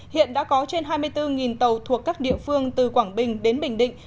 hiện đã có trên hai mươi bốn tàu thuộc các địa phương từ quảng bình đến bình định